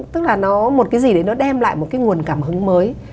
tức là nó một cái gì đấy nó đem lại một cái nguồn cảm hứng mới